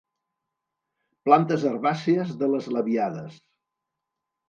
Plantes herbàcies de les labiades.